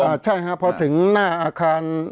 เพราะฉะนั้นประชาธิปไตยเนี่ยคือการยอมรับความเห็นที่แตกต่าง